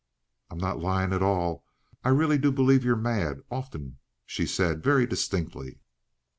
"I'm not lying at all. I really do believe you're mad often," she said very distinctly.